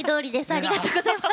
ありがとうございます。